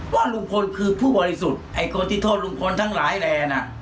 ว่าลุงพลคือผู้บริสุทธิ์ไอ้คนที่โทษลุงพลทั้งหลายแหล่น่ะ